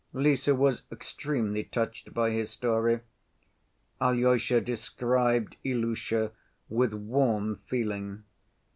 Lise was extremely touched by his story. Alyosha described Ilusha with warm feeling.